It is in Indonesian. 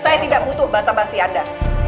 saya tidak butuh bahasa basi anda